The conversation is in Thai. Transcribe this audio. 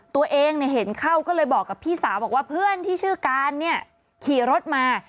ตัวเองเห็นเข้าก็เลยบอกกับพี่สาวบอกว่าเพื่อนที่ชื่อการเนี่ยขี่รถมา